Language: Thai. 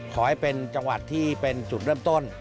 ขอให้เป็นจังหวัดที่เป็นจุดเริ่มต้น